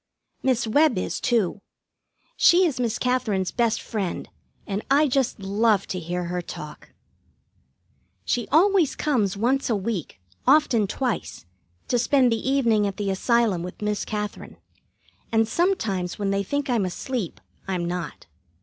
Miss Webb is, too. She is Miss Katherine's best friend, and I just love to hear her talk. She always comes once a week, often twice, to spend the evening at the Asylum with Miss Katherine, and sometimes when they think I'm asleep, I'm not.